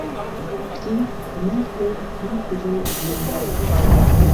کوتی: مەرد بەو مەمکوژە و ئەمن بەرە